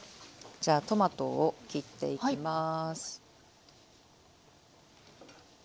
じゃあトマトを切っていきます。